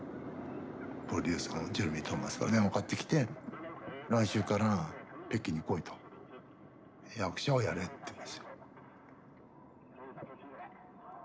プロデューサーのジェレミー・トーマスから電話かかってきて「来週から北京に来い」と「役者をやれ」っていうんですよ。